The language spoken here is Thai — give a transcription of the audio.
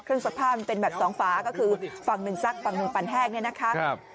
ซักผ้ามันเป็นแบบสองฝาก็คือฝั่งหนึ่งซักฝั่งหนึ่งปันแห้งเนี่ยนะคะ